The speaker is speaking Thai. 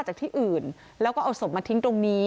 จากที่อื่นแล้วก็เอาศพมาทิ้งตรงนี้